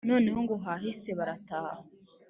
noneho ngo bahise barataha.